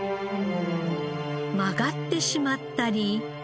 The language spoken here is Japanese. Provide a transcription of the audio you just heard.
曲がってしまったり。